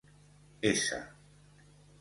S